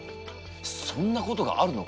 そんなことがあるのか！？